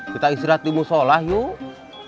kita istirahat di musola yuk